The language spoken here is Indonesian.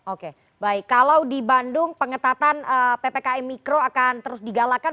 oke baik kalau di bandung pengetatan ppkm mikro akan terus digalakan